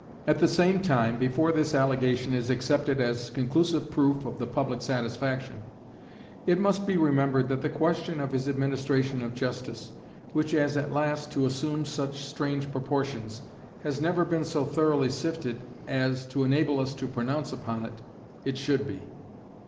At the same time, before this allegation is accepted as conclusive proof of the public satisfaction, it must be remembered that the question of his administration of justice, which was at last to assume such strange proportions, has never been so thoroughly sifted as, to enable us to pronounce upon it, it should be.